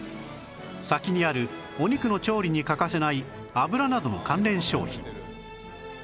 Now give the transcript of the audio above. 先にあるお肉の調理に欠かせない油などの関連商品